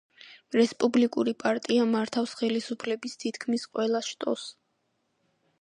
რესპუბლიკური პარტია მართავს ხელისუფლების თითქმის ყველა შტოს.